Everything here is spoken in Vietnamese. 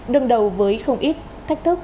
đương đầu với không ít thách thức